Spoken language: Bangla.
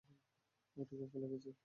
একটু ফুলে গেছে।